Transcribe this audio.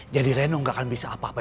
jadi reno gak akan bisa apa apa